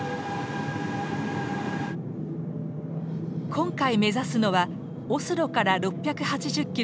今回目指すのはオスロから６８０キロ